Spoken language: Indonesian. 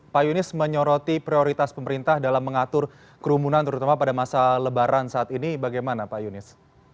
pak yunis menyoroti prioritas pemerintah dalam mengatur kerumunan terutama pada masa lebaran saat ini bagaimana pak yunis